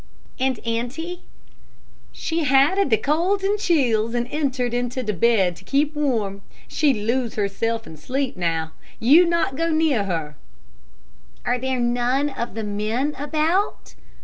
"And auntie?" "She had de colds and chills, and entered into de bed to keep warm. She lose herself in sleep now. You not go near her." "Are there none of the men about?"